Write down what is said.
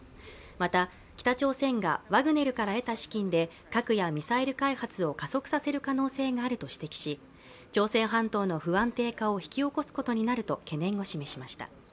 また、北朝鮮がワグネルから得た資金で核やミサイル開発を加速させる可能性があると指摘し朝鮮半島の不安定化を引き起こすことになると懸念を示しました。